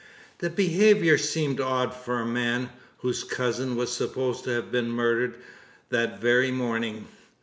The behaviour seemed odd for a man, whose cousin was supposed to have been murdered that very morning.